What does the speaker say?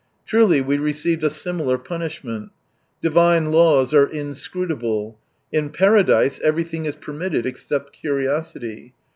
Truly we received a similar punishment. Divine laws are inscrutable. In Paradise everything is permitted, except curiosity.